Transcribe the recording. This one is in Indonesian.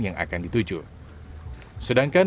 tempat tamu tamu kerajaan